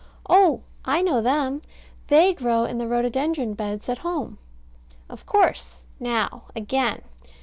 Oh, I know them. They grow in the Rhododendron beds at home. Of course. Now again.